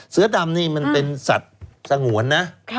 เสือดำนี่มันเป็นสัตว์สงวนนะ